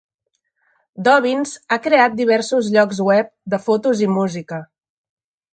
Dobbins ha creat diversos llocs web de fotos i música.